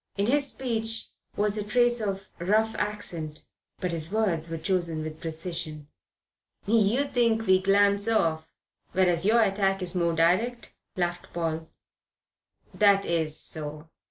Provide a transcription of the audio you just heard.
In his speech was a trace of rough accent; but his words were chosen with precision. "You think we glance off, whereas your attack is more direct," laughed Paul. "That is so.